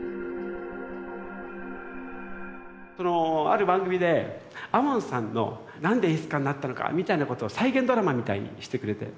ある番組で亞門さんのなんで演出家になったのかみたいなことを再現ドラマみたいにしてくれて。